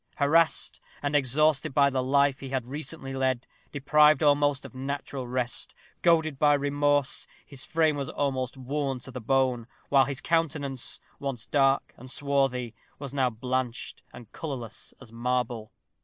Harassed and exhausted by the life he had recently led; deprived almost of natural rest; goaded by remorse, his frame was almost worn to the bone, while his countenance, once dark and swarthy, was now blanched and colorless as marble.